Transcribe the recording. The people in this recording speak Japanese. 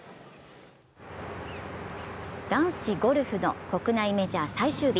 男子ゴルフの国内メジャー最終日。